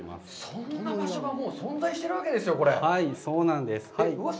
そんな場所がもう存在しているわけですよ。